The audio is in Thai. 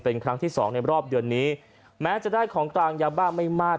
เป็นครั้งที่สองในรอบเดือนนี้แม้จะได้ของกลางยาบ้าไม่มาก